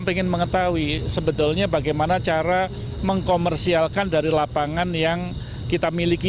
ingin mengetahui sebetulnya bagaimana cara mengkomersialkan dari lapangan yang kita miliki